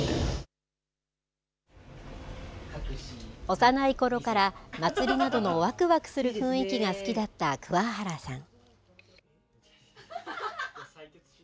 幼いころから祭りなどのわくわくする雰囲気が好きだった桑原さん。